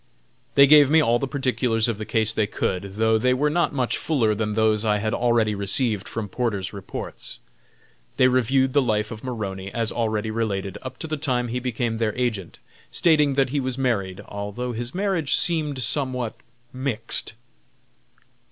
They gave me all the particulars of the case they could, though they were not much fuller than those I had already received from Porter's reports. They reviewed the life of Maroney, as already related, up to the time he became their agent, stating that he was married, although his marriage seemed somewhat "mixed".